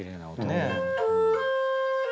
ねえ。